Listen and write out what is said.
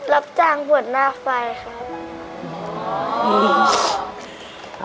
รับจ้างบวชหน้าไฟครับ